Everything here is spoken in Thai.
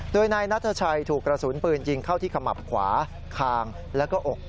โดยนายนัทชัยถูกกระสุนปืนยิงเข้าที่ขมับขวาคางแล้วก็อก